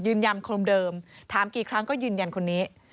ยังคงเดิมถามกี่ครั้งก็ยืนยันคนนี้